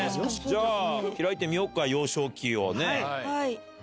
じゃあ、開いてみようか、幼少期をね。